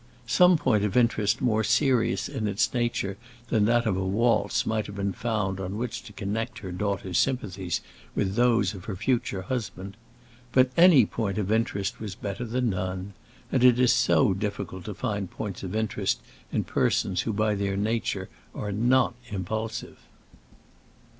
Some point of interest more serious in its nature than that of a waltz might have been found on which to connect her daughter's sympathies with those of her future husband. But any point of interest was better than none; and it is so difficult to find points of interest in persons who by their nature are not impulsive.